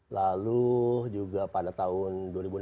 lalu juga pada tahun dua ribu enam belas